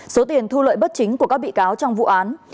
số tiền thu lợi bất chính của các bị cáo trong vụ án